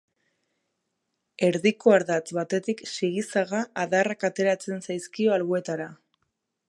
Erdiko ardatz batetik sigi-zaga adarrak ateratzen zaizkio alboetara.